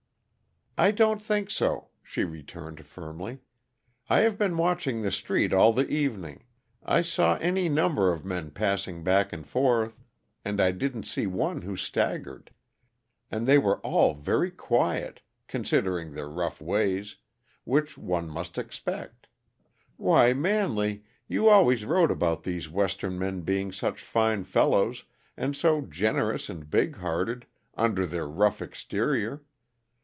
"I don't think so," she returned firmly. "I have been watching the street all the evening. I saw any number of men passing back and forth, and I didn't see one who staggered. And they were all very quiet, considering their rough ways, which one must expect. Why, Manley, you always wrote about these Western men being such fine fellows, and so generous and big hearted, under their rough exterior.